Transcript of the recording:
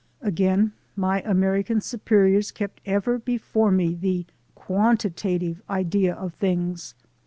Again, my American superiors kept ever before me the qwantitvoe idea of things.